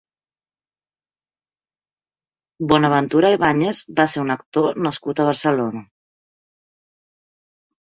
Bonaventura Ibáñez va ser un actor nascut a Barcelona.